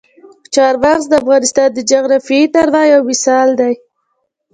چار مغز د افغانستان د جغرافیوي تنوع یو مثال دی.